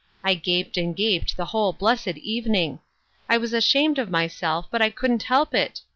I gaped and gaped the whole blessed evening. I was ashamed of my self, but I couldn't help it.